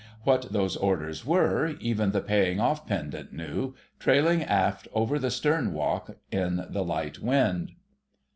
What those orders were, even the paying off pendant knew, trailing aft over the stern walk in the light wind.